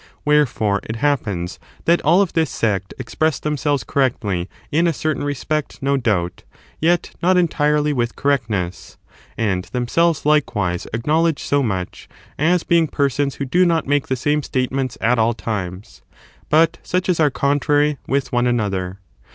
Wherefore, it happens that all of this sect express themselves correctly in a certain respect, no doubt, yet not entirely with correctness. And themselves, likewise, acknow ledge so much, as being persons who do not make the same statements at all times, but such as are contrary with one another.